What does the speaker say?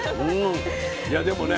いやでもね